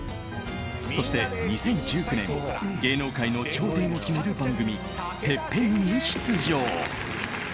そして２０１９年芸能界の頂点を決める番組「ＴＥＰＰＥＮ」に出場。